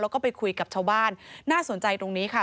แล้วก็ไปคุยกับชาวบ้านน่าสนใจตรงนี้ค่ะ